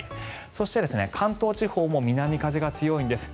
そして、関東地方も南風が強いんです。